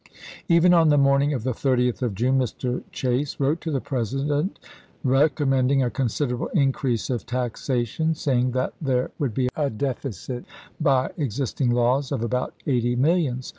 Even on the morning of the 30th of June, Mr. Chase wrote to the President recom mending a considerable increase of taxation, say ing that there would be a deficit by existing laws of about eighty millions.